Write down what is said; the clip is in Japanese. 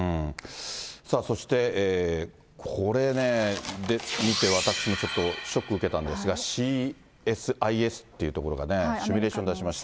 さあそしてこれね、見て、私もちょっとショック受けたんですが、ＣＳＩＳってところがね、シミュレーション出しました。